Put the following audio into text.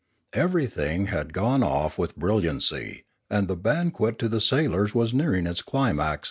Everything had gone off with brilliancy, and the banquet to the sailors was nearing its climax